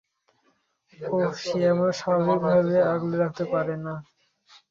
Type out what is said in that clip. ওহ সে আমাকে স্বাভাবিক ভাবে আগলে রাখতে পারেনা।